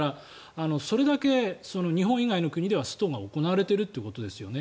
それだけ日本以外の国ではストが行われているということですよね。